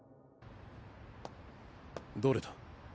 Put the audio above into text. どれだ？